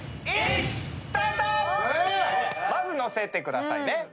まずのせてくださいね。